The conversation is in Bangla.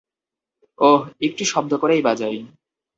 ওহ, তাহলে একটু শব্দ করেই বাজাই।